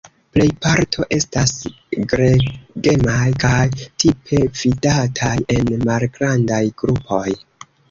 Plej parto estas gregemaj kaj tipe vidataj en malgrandaj grupoj.